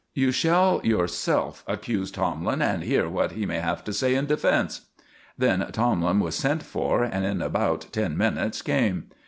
You shall yourself accuse Tomlin and hear what he may have to say in defence." Then Tomlin was sent for, and in about ten minutes came.